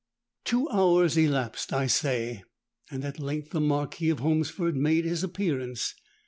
"Two hours elapsed, I say; and at length the Marquis of Holmesford made his appearance.